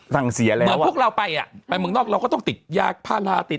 สั่งเสียแล้วหน่อยพวกเราไปอ่ะไปเมืองนอกเราก็ต้องติดยาพาราติด